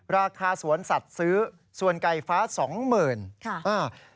ราคาสวนสัตว์ซื้อส่วนไก่ฟ้า๒๐๐๐๐บาท